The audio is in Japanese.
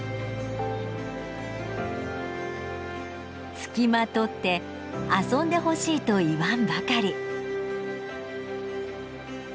付きまとって遊んでほしいと言わんばかり。